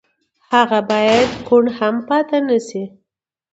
هغه بايد کوڼ هم پاتې نه شي.